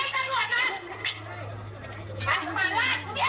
การไรที่กลุ่ม